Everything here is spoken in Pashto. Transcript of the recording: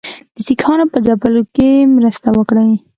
د سیکهانو په ځپلو کې مرسته وکړي.